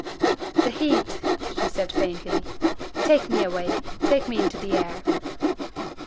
"The heat!" she said, faintly. "Take me away take me into the air!"